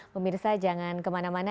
pemirsa jangan kemana mana